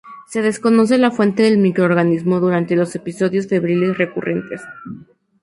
Se desconoce la fuente del microorganismo durante los episodios febriles recurrentes.